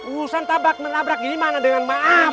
usantabak menabrak gimana dengan maaf